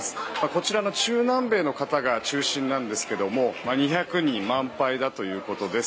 こちらは中南米の方が中心なんですが２００人満杯だということです。